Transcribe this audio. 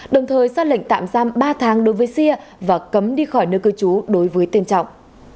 đồng thời xác lệnh tạm giam ba tháng đối với xia và cấm đi khỏi nơi cư trú đối với tên trọng